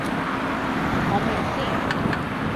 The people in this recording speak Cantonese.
講明先